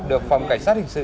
được phòng cảnh sát hình sự